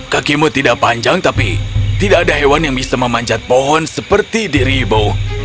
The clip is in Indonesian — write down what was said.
kakimu tidak panjang tapi tidak ada hewan yang bisa memanjat pohon seperti dirimu